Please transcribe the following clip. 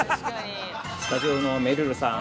スタジオのめるるさん。